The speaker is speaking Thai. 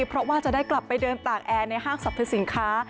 เพราะว่าจะได้กลับไปเดินตากแอร์ในห้างสรรพสินค้า